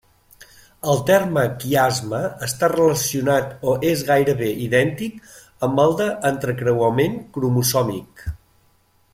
El terme quiasma està relacionat o és gairebé idèntic amb el d'entrecreuament cromosòmic.